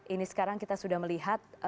ini sekarang kita sudah melihat